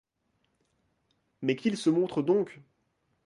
Mais qu'ils se montrent donc!